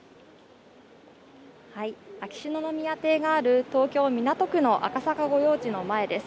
秋篠宮邸がある東京・港区の赤坂御用地の前です